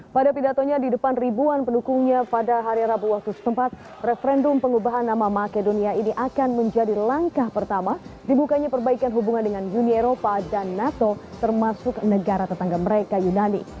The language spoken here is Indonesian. pada tahun dua ribu dua puluh empat referendum pengubahan nama makedonia ini akan menjadi langkah pertama dibukanya perbaikan hubungan dengan uni eropa dan nato termasuk negara tetangga mereka yunani